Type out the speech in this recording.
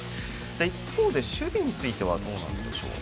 一方で守備についてはどうでしょう。